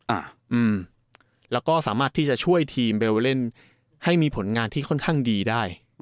อ่าอืมแล้วก็สามารถที่จะช่วยทีมเบลเล่นให้มีผลงานที่ค่อนข้างดีได้